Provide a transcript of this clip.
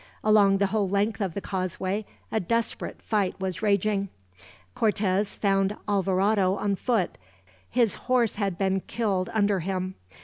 Along the whole length of the causeway a desperate fight was raging. Cortez found Alvarado on foot, his horse had been killed under him.